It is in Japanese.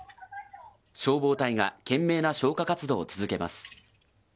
消防隊が懸命な消火活動を続けます。